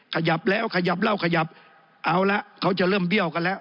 ขยับแล้วขยับเล่าขยับเอาละเขาจะเริ่มเบี้ยวกันแล้ว